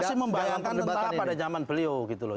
saya membayangkan tentara pada zaman beliau gitu loh